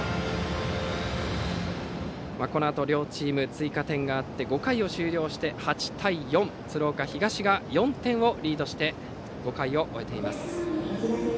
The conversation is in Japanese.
このあと両チーム追加点があって５回終了して８対４と鶴岡東が４点をリードして５回を終えています。